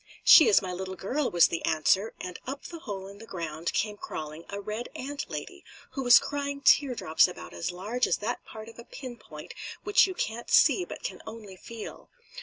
"She is my little girl," was the answer, and up the hole in the ground came crawling a red ant lady, who was crying tear drops about as large as that part of a pin point which you can't see but can only feel.